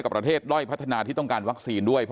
ก็คือเป็นการสร้างภูมิต้านทานหมู่ทั่วโลกด้วยค่ะ